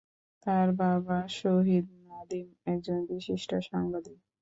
তার বাবা শহীদ নাদিম একজন বিশিষ্ট সাংবাদিক।